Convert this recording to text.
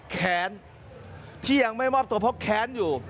แค้นที่ยังไม่มอบตัวเพราะแค้นอยู่